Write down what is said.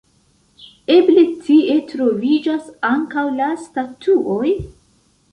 Eble tie troviĝas ankaŭ la statuoj?